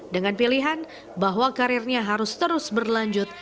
dengan pilihan bahwa karirnya harus terus berlanjut